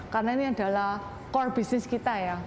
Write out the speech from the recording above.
karena ini adalah core business kita ya